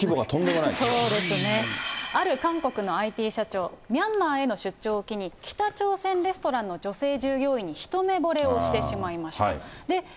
ある韓国のＩＴ社長、ミャンマーへの出張を機に、北朝鮮レストランの女性従業員に一目ぼれをしてしまいました。